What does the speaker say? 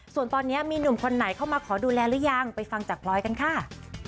ส่วนตอนนี้มีหนุ่มคนไหนเข้ามาขอดูแลหรือยังไปฟังจากพลอยกันค่ะ